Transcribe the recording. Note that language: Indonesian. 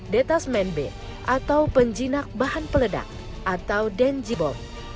dua detasmen b atau penjinak bahan peledak atau den jibon